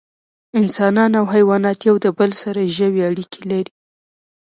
انسانان او حیوانات د یو بل سره ژوی اړیکې لري